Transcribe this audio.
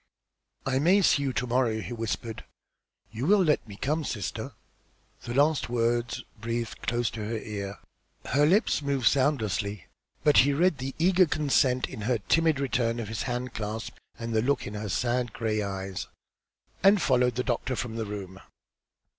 "I may see you to morrow," he whispered. "You will let me come, sister?" The last word breathed close to her ear. Her lips moved soundlessly, but he read her eager consent in her timid return of his hand clasp and the look in her sad, grey eyes, and followed the doctor from the room.